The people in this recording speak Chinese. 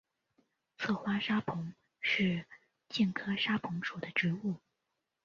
侧花沙蓬是苋科沙蓬属的植物。